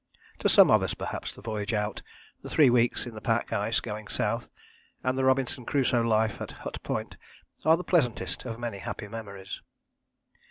To some of us perhaps the voyage out, the three weeks in the pack ice going South, and the Robinson Crusoe life at Hut Point are the pleasantest of many happy memories.